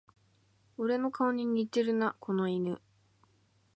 俺の顔に似てるな、この犬